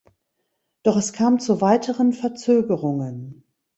Doch es kam zu weiteren Verzögerungen.